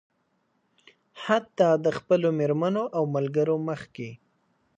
حتيٰ د خپلو مېرمنو او ملګرو مخکې.